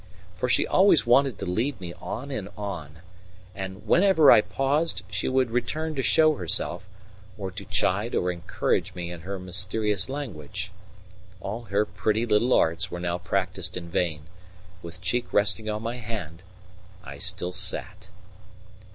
For she always wanted to lead me on and on, and whenever I paused she would return to show herself, or to chide or encourage me in her mysterious language. All her pretty little arts were now practiced in vain: with cheek resting on my hand, I still sat.